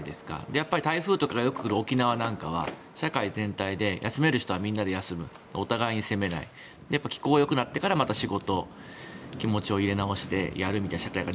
やっぱり台風とかがよく来る沖縄なんかは社会全体で休める人はみんなで休むお互いに責めない気候がよくなってからまた仕事気持ちを入れ直してやるみたいな社会が